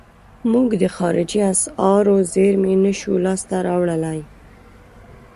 موږ د خارجي اسعارو زیرمې نشو لاس ته راوړلای.